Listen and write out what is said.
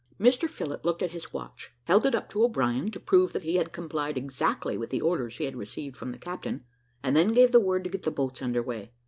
Mr Phillott looked at his watch, held it up to O'Brien, to prove that he had complied exactly with the orders he had received from the captain, and then gave the word to get the boats under weigh.